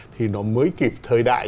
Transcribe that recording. thì nó mới kịp thời đại